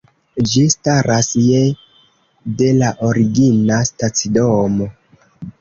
Ĝi staras je de la origina stacidomo.